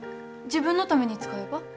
自分のために使えば？